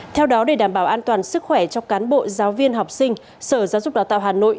theo đó để đảm bảo an toàn sức khỏe cho cán bộ giáo viên học sinh sở giáo dục đào tạo hà nội